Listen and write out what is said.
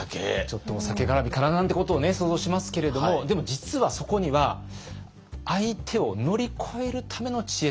ちょっとお酒がらみかななんてことを想像しますけれどもでも実はそこには相手を乗り越えるための知恵っていうのがあったんです。